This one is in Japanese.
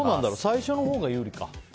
最初のほうが有利か。